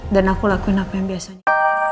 dan aku lakuin apa yang biasanya